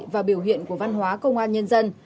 và biểu hiện của văn hóa công an nhân dân